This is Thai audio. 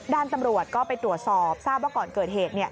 ด้านตำรวจก็ไปตรวจสอบทราบว่าก่อนเกิดเหตุ